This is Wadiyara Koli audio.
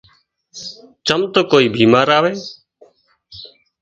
چم تو ڪوئي ٻيماري آوي